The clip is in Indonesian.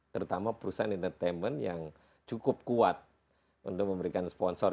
terutama perusahaan entertainment yang cukup kuat untuk memberikan sponsor